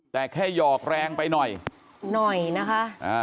แต่แค่หยอกแรงไปหน่อยหน่อยนะคะ